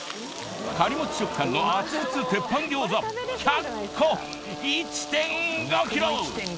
カリモチ食感の熱々鉄板餃子１００個１．５ｋｇ。